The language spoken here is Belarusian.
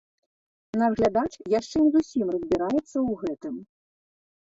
Наш глядач яшчэ не зусім разбіраецца ў гэтым.